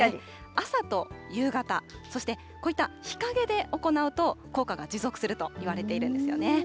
朝と夕方、そしてこういった日陰で行うと、効果が持続するといわれているんですよね。